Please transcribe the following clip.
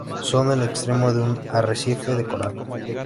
Son el extremo de un arrecife de coral.